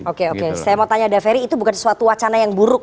oke oke saya mau tanya dhaferi itu bukan suatu wacana yang buruk